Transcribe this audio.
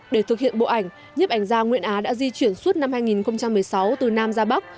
để thực hiện bộ ảnh nhiếp ảnh gia nguyễn á đã di chuyển suốt năm hai nghìn một mươi sáu từ nam ra bắc